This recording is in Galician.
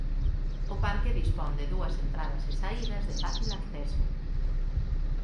O parque dispón de dúas entradas e saídas de fácil acceso.